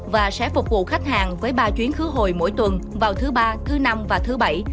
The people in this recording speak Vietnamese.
và sẽ phục vụ khách hàng với ba chuyến khứ hồi mỗi tuần vào thứ ba thứ năm và thứ bảy